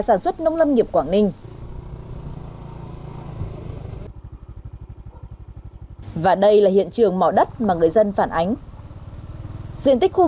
sản xuất nông lâm nghiệp quảng ninh và đây là hiện trường mỏ đất mà người dân phản ánh diện tích khu